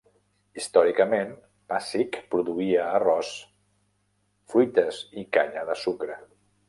Històricament, Pasig produïa arròs, fruites i canya de sucre.